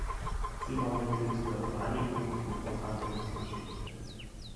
Sie war Mitglied der Vereinigung für Verfassungsgeschichte.